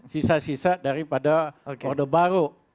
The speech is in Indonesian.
sisa sisa daripada orde baru